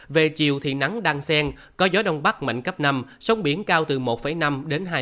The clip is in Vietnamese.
về chiều thì nắng đăng sen có gió đông bắc mạnh cấp năm sông biển cao từ một năm hai tám m